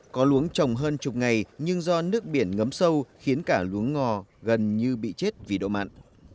có luống trồng hơn chục ngày nhưng do nước biển ngấm sâu khiến cả luống ngò gần như bị chết vì độ mặn